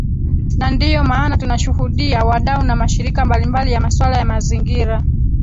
na ndio maana tunashuhudia wadau na mashirika mbalimbali ya masuala ya mazingira